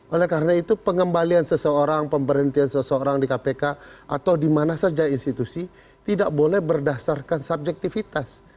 oleh karena itu pengembalian seseorang pemberhentian seseorang di kpk atau dimana saja institusi tidak boleh berdasarkan subjektivitas